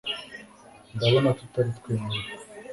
ndabona tutari twenyine